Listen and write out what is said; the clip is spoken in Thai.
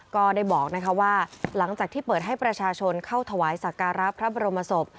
ก็ได้บอกว่าหลังจากที่เปิดให้ประชาชนเข้าถวายสักการะพระบรมศพ